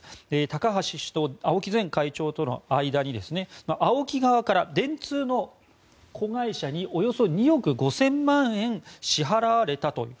高橋氏と青木前会長との間にＡＯＫＩ側から電通の子会社におよそ２億５０００万円支払われたと。